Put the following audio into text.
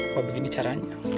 mau begini caranya